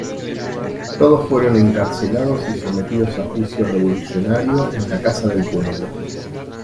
Todos fueron encarcelados y sometidos a juicio revolucionario en la Casa del Pueblo.